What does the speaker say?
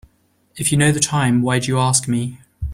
If you know the time why do you ask me?